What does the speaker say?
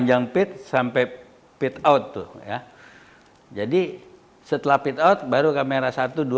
jadi setelah pit out baru kamera satu dua tiga empat lima